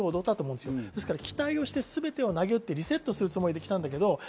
ですから期待をして全てをなげうってリセットするつもりで来たんだけど。